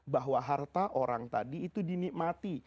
bahwa harta orang tadi itu dinikmati